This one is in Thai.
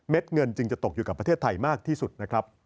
เงินจึงจะตกอยู่กับประเทศไทยมากที่สุดนะครับ